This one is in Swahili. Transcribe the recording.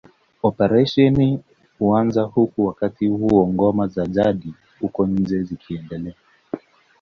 Operesheni huanza huku wakati huo ngoma za jadi huko nje ziiendelea